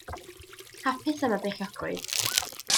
Hapus am y beichiogrwydd.